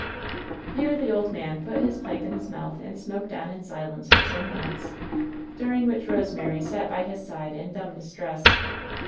Here the old man put his pipe in his mouth and smoked on in silence for some minutes, during which Rosemary sat by his side in dumb distress.